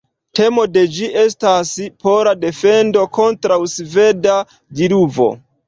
Temo de ĝi estas pola defendo kontraŭ sveda diluvo.